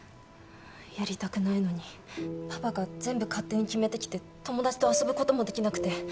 やりたくないのにパパが全部勝手に決めてきて友達と遊ぶこともできなくて。